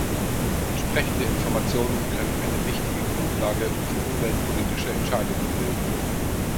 Entsprechende Informationen können eine wichtige Grundlage für umweltpolitische Entscheidungen bilden.